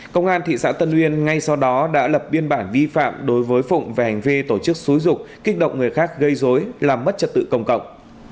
công an thị xã tân uyên ngay sau đó đã lập biên bản vi phạm đối với phụng về hành vi tổ chức xúi dục kích động người khác gây dối làm mất trật tự công cộng